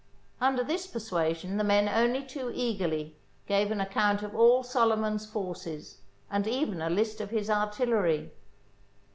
Under this persuasion the men only too eagerly gave an account of all Solyman's forces and even a list of his artillery.